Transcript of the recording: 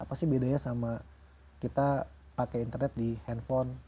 apa sih bedanya sama kita pakai internet di handphone